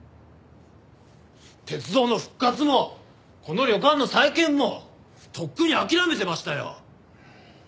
鉄道の復活もこの旅館の再建もとっくに諦めてましたよ！